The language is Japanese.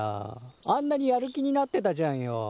あんなにやる気になってたじゃんよ。